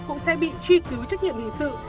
cũng sẽ bị truy cứu trách nhiệm hình sự